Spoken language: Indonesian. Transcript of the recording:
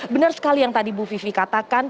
benar sekali yang tadi bu vivi katakan